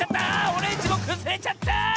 オレンジもくずれちゃった！